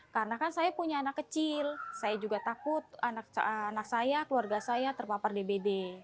karena kan saya punya anak kecil saya juga takut anak saya keluarga saya terpapar dbd